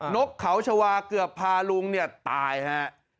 นกเขาชาวาเกือบพาลุงเนี่ยตายฮะ